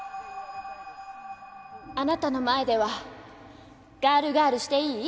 あなたの前ではガールガールしていい？